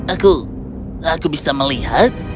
aku aku bisa melihat